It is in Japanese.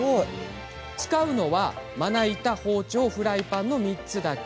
使うのは、まな板、包丁フライパンの３つだけ。